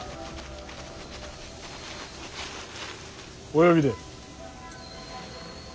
お呼びで。